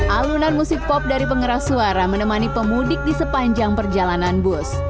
alunan musik pop dari pengeras suara menemani pemudik di sepanjang perjalanan bus